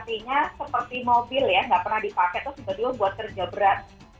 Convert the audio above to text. artinya seperti mobil ya nggak pernah dipakai itu sebetulnya buat kerja berat